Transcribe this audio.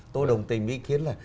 tôi đồng tình ý kiến là